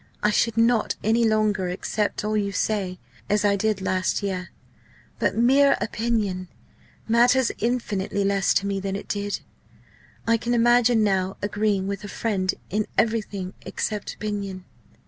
I should not any longer accept all you say, as I did last year. But mere opinion matters infinitely less to me than it did. I can imagine now agreeing with a friend 'in everything except opinion.'